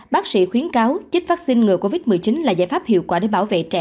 bác sĩ khuyến cáo chích vaccine ngừa covid một mươi chín là giải pháp hiệu quả để bảo vệ trẻ